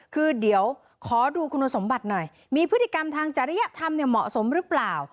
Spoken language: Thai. คือเดี๋ยวขอดูคุณสมบัติหน่อยมีพฤติกรรมทางจริยธรรมเนี่ยเหมาะสมหรือเปล่า